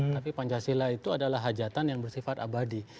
tapi pancasila itu adalah hajatan yang bersifat abadi